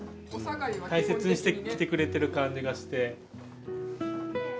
大切にして着てくれてる感じがして。